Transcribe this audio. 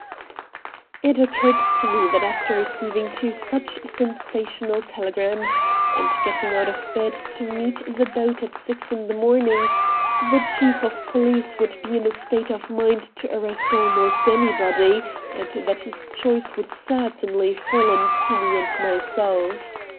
It occurred to me that after receiving two such sensational telegrams, and getting out of bed to meet the boat at six in the morning, the chief of police would be in a state of mind to arrest almost anybody, and that his choice would certainly fall on Kinney and myself.